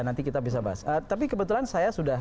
nanti kita bisa bahas tapi kebetulan saya sudah